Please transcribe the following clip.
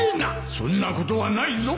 そんなことはないぞ。